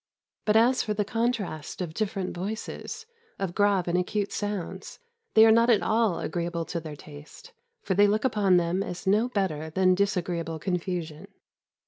But as for the contrast of different voices, of grave and acute sounds, they are not at all agreeable to their taste, for they look upon them as no better than disagreeable confusion.